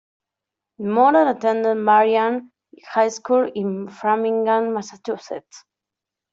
Moran attended Marian High School in Framingham, Massachusetts.